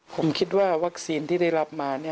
ผมคิดว่าวัคซีนที่ได้รับมา